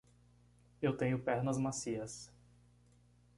Eu tenho pernas macias.